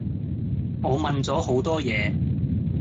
我問咗好多野